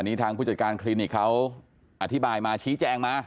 อันนี้ทางคุณจัดการคลีนิกเขาอธิบายมาชี้แจ้งมา